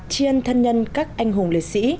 chiên thân nhân các anh hùng liệt sĩ